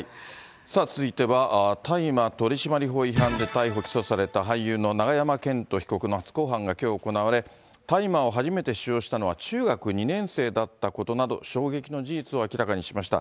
続いては大麻取締法違反で逮捕・起訴された俳優の永山絢斗被告の初公判がきょう行われ、大麻を初めて使用したのは中学２年生だったことなど、衝撃の事実を明らかにしました。